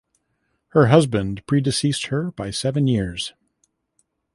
Her husband predeceased her by seven years.